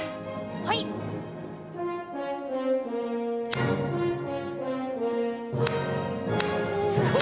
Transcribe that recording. はい。